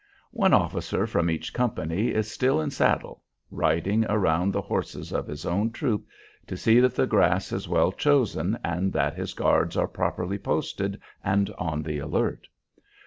One officer from each company is still in saddle, riding around the horses of his own troop to see that the grass is well chosen and that his guards are properly posted and on the alert.